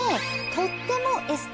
とっても。